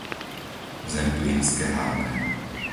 Zemplínske Hámre